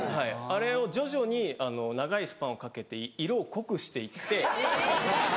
あれを徐々に長いスパンをかけて色を濃くして行って。